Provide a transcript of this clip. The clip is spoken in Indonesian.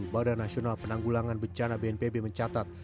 badan nasional penanggulangan bencana bnpb mencatat